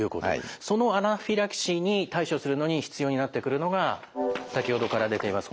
そのアナフィラキシーに対処するのに必要になってくるのが先ほどから出ています